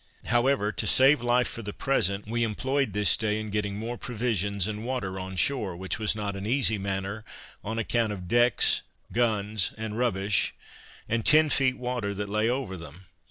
However, to save life for the present, we employed this day in getting more provisions and water on shore, which was not an easy matter, on account of decks, guns and rubbish, and ten feet water that lay over them.